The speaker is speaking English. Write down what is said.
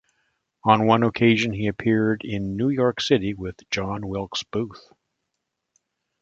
On one occasion he appeared in New York City with John Wilkes Booth.